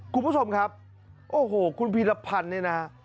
คุณผู้ชมครับโอ้โหคุณพีรพันธ์เนี่ยนะฮะ